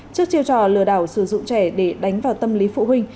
trước chiêu trò lừa đảo sử dụng trẻ để đánh vào tâm lý phụ huynh